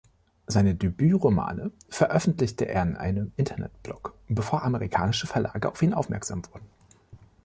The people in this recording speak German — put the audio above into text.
Seine Debüt-Romane veröffentlichte er in seinem Internet-Blog, bevor amerikanische Verlage auf ihn aufmerksam wurden.